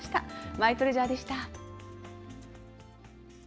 マイトレジャーでした。